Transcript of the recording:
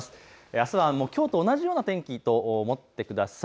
あすはきょうと同じような天気と思ってください。